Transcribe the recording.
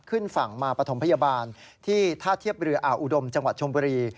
ขึ้นฝั่งมาปฐมพยาบาลที่ท่าเทียบเรืออ่าวอุดมจังหวัดชมบุรี